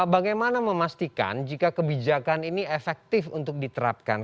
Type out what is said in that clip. bagaimana memastikan jika kebijakan ini efektif untuk diterapkan